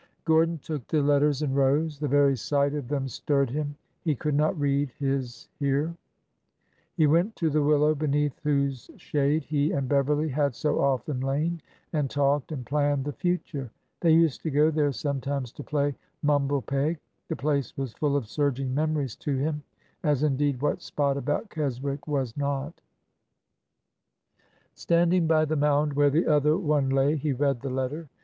Gordon took the letters and rose. The very sight of them stirred him. He could not read his here. He went to the willow beneath whose shade he and Beverly had so often lain and talked and planned the future. They used to go there sometimes to play mum ble peg." The place was full of surging memories to him, as indeed what spot about Keswick was not? Standing by the mound where the other one lay, he read the letter.